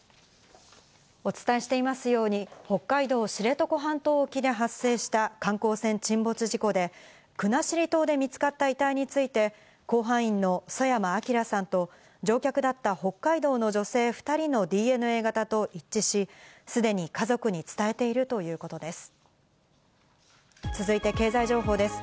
お伝えしていますように、北海道知床半島沖で発生した観光船沈没事故で、国後島で見つかった遺体について甲板員の曽山聖さんと、乗客だった北海道の女性２人のＤＮＡ型と一致し、すでに家族に伝えているということです。